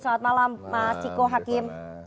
selamat malam mas ciko hakim